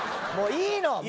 もういいの！